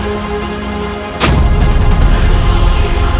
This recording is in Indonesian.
siapa yang sudah menyerah